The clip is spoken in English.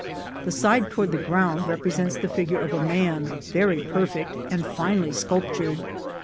The side toward the ground represents the fig ure of man, very perfect and finely sculptured.